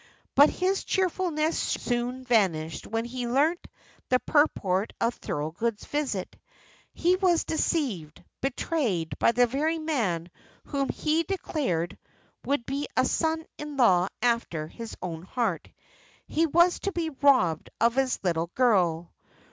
But his cheerfulness soon vanished when he learned the purport of Thorold's visit. He was deceived, betrayed by the very man whom he declared would be a son in law after his own heart. He was to be robbed of his little girl.